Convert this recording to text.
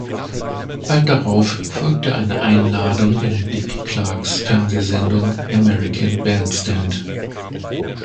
Bald darauf folgte eine Einladung in Dick Clarks Fernsehsendung "American Bandstand".